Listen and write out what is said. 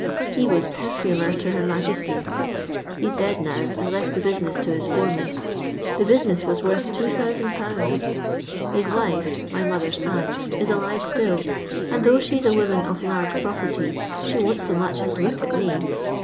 He was perfumer to her Majesty : he 's dead now, and left the busineu to his foreman. The business was worth 2000/. His wife, my mother's aunt, is alive still, and though she 's a woman of large property, she won't so much as look at me.